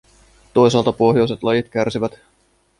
Toisaalta pohjoiset lajit kärsivät.